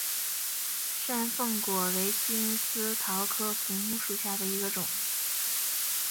山凤果为金丝桃科福木属下的一个种。